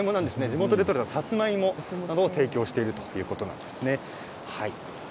地元で取れたサツマイモなんかを提供しているということです。